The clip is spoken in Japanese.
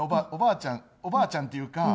おばあちゃんっていうか。